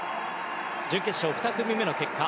準決勝２組目の結果